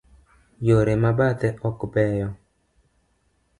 Yore ma bathe ok beyo.